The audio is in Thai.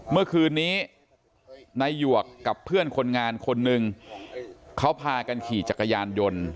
เมื่อคืนนี้นายหยวกกับเพื่อนคนงานคนหนึ่งเขาพากันขี่จักรยานยนต์